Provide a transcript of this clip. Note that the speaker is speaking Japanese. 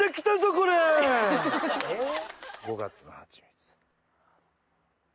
５月のハチミツ。